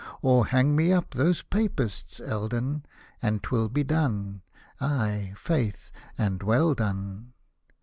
" Or, " Hang me up those Papists, Eld — n," And 'twill be done — ay faith and well done.